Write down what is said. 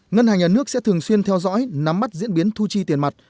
ngân hàng nhà nước sẽ thường xuyên theo dõi nắm bắt diễn biến thu chi tiền mặt